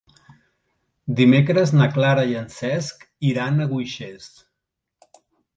Dimecres na Clara i en Cesc iran a Guixers.